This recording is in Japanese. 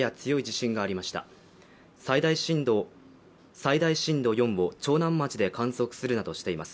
最大震度４を長南町で観測するなどしています。